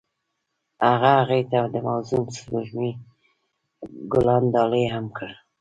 هغه هغې ته د موزون سپوږمۍ ګلان ډالۍ هم کړل.